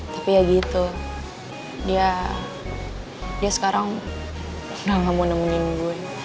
tapi ya gitu dia sekarang udah gak mau nemenin gue